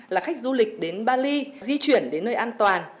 là khách du lịch đến bali di chuyển đến nơi an toàn